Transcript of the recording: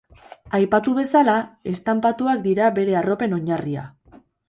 Aipatu bezala, estanpatuak dira bere arropen oinarria.